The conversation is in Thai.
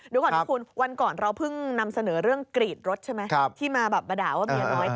ดูก่อนทุกคนวันก่อนเราเพิ่งนำเสนอเรื่องกรีดรถใช่ไหมครับที่มาบับบะดาวว่าเบียงน้อย